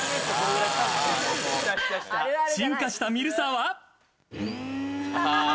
進化したミルサーは。